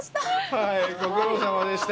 はい、ご苦労さまでした。